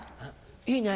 いいね。